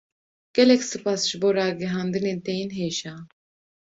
Gelek spas ji bo ragihandinên te yên hêja